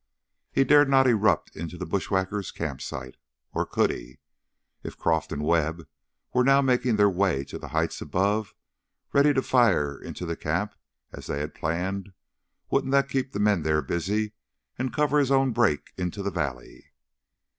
He dared not erupt into the bushwhacker campsite, or could he? If Croff and Webb were now making their way to the heights above, ready to fire into the camp as they had planned, wouldn't that keep the men there busy and cover his own break into the valley?